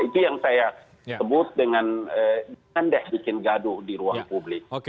itu yang saya sebut dengan jangan deh bikin gaduh di ruang publik